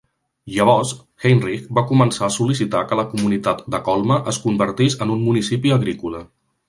Llavors Hienrich va començar a sol·licitar que la comunitat de Colma es convertís en un municipi agrícola.